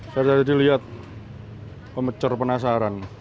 saya tadi lihat pemecor penasaran